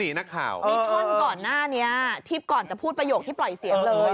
นี่ท่อนก่อนหน้านี้ที่ก่อนจะพูดประโยคที่ปล่อยเสียงเลย